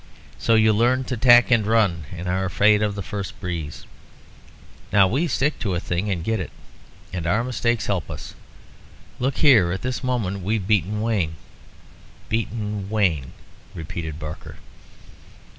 So you learn to tack and run, and are afraid of the first breeze. Now we stick to a thing and get it. And our mistakes help us. Look here! at this moment we've beaten Wayne." "Beaten Wayne," repeated Barker.